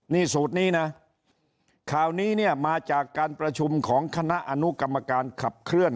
นี่สูตรนี้นะข่าวนี้เนี่ยมาจากการประชุมของคณะอนุกรรมการขับเคลื่อน